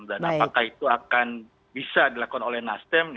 dan apakah itu akan bisa dilakukan oleh nasden